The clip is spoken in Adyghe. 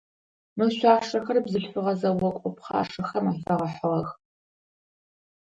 Мы шъуашэхэр бзылъфыгъэ зэокӏо пхъашэхэм афэгъэхьыгъэх.